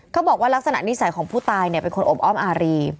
เขาบอกว่าลักษณะนิสัยของผู้ตายเป็นคนอบอ้อมอารี